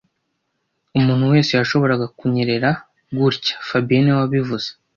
Umuntu wese yashoboraga kunyerera gutya fabien niwe wabivuze